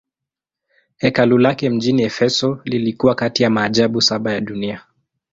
Hekalu lake mjini Efeso lilikuwa kati ya maajabu saba ya dunia.